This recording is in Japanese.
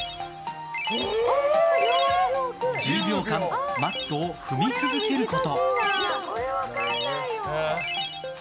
１０秒間マットを踏み続けること。